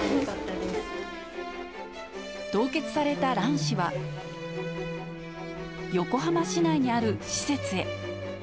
凍結された卵子は、横浜市内にある施設へ。